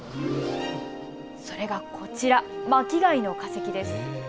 それがこちら、巻き貝の化石です。